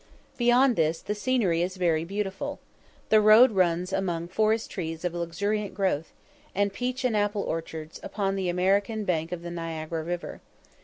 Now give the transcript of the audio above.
Beyond this the scenery is very beautiful. The road runs among forest trees of luxuriant growth, and peach and apple orchards, upon the American bank of the Niagara river.